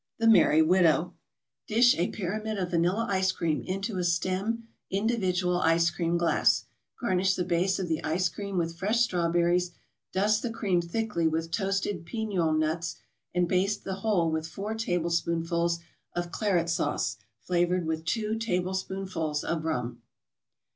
THE MERRY WIDOW Dish a pyramid of vanilla ice cream into a stem individual ice cream glass. Garnish the base of the ice cream with fresh strawberries, dust the cream thickly with toasted piñon nuts, and baste the whole with four tablespoonfuls of Claret Sauce flavored with two tablespoonfuls of rum.